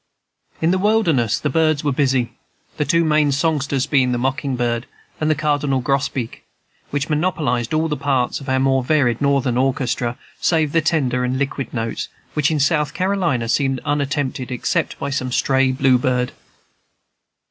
In this wilderness the birds were busy; the two main songsters being the mocking bird and the cardinal grosbeak, which monopolized all the parts of our more varied Northern orchestra save the tender and liquid notes, which in South Carolina seemed unattempted except by some stray blue bird.